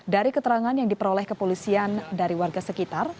dari keterangan yang diperoleh kepolisian dari warga sekitar